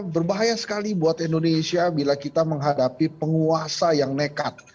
berbahaya sekali buat indonesia bila kita menghadapi penguasa yang nekat